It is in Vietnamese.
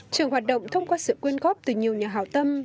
trường hoạt động thông qua sự quyên góp từ nhiều nhà hào tâm